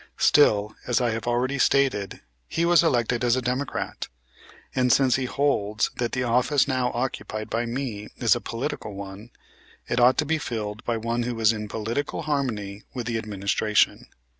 Still, as I have already stated, he was elected as a Democrat; and, since he holds that the office now occupied by me is a political one, it ought to be filled by one who is in political harmony with the administration.